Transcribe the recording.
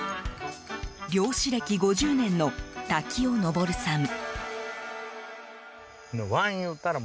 猟師歴５０年の瀧尾昇さん。